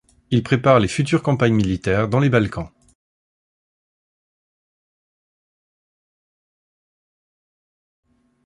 Il prépare les futures campagnes militaires dans les Balkans.